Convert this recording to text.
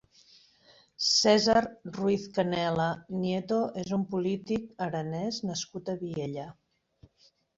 César Ruiz-Canela Nieto és un polític aranès nascut a Viella.